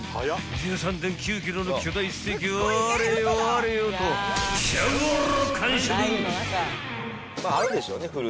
［１３．９ｋｇの巨大ステーキをあれよあれよとピシャゴロ］